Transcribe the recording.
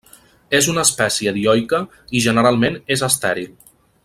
És una espècie dioica i generalment és estèril.